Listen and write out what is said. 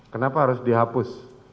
kenapa harus dihapus